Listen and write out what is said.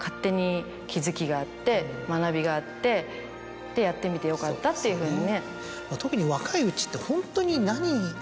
があって「やってみてよかった」っていうふうにね。